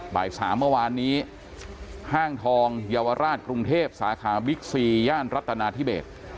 บ่าย๓เมื่อวานนี้ห้างทองเยาวราชกรุงเทพสาขาบิ๊กซีย่านรัฐนาธิเบส